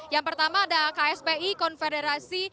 yang pertama ada kspi konfederasi